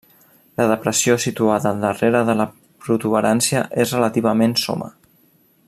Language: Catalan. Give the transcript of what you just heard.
La depressió situada darrere de la protuberància és relativament soma.